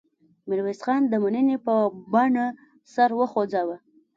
میرویس خان د مننې په بڼه سر وخوځاوه.